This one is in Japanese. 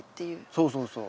そうそうそう。